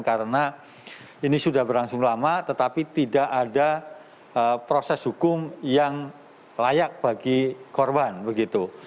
karena ini sudah berlangsung lama tetapi tidak ada proses hukum yang layak bagi korban begitu